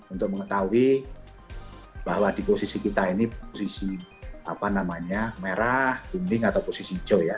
untuk mengetahui bahwa di posisi kita ini posisi merah kuning atau posisi hijau ya